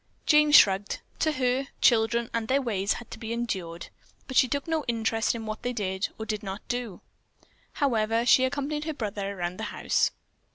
Jane shrugged. To her, children and their ways had to be endured, but she took no interest in what they did or did not do. However, she accompanied her brother around the house.